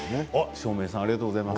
照明さんありがとうございます。